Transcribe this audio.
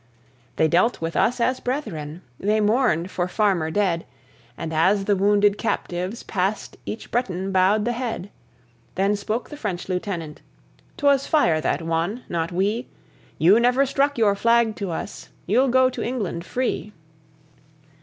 They dealt with us as brethren, they mourned for Farmer dead; And as the wounded captives passed each Breton bowed the head. Then spoke the French Lieutenant, "Twas fire that won, not we. You never struck your flag to us; you'll go to England free."